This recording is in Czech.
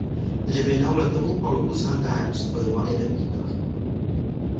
Dřevěnou letovou palubu s hangárem spojoval jeden výtah.